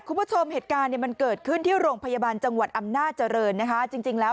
คุณผู้ชมเหตุการณ์มันเกิดขึ้นที่โรงพยาบาลจังหวัดอำนาจริงแล้ว